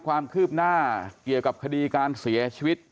ความคืบหน้าเกี่ยวกับคดีการเสียชีวิต